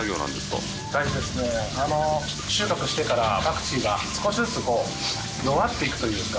収穫してからパクチーが少しずつこう弱っていくというか。